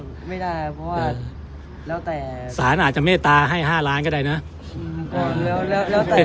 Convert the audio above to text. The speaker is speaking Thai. เขาบอกว่าค่าขนมนะครับค่าน้ำมันรถที่เราไปร้องเพลง